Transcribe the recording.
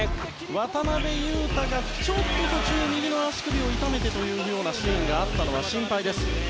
渡邊雄太がちょっと途中右の足首を痛めてというシーンがあったのは心配です。